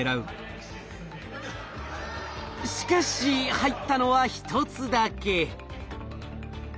しかし入ったのは１つだけ。